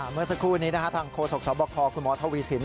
เมื่อสักครู่นี้ทางโฆษกสบคคุณหมอทวีสิน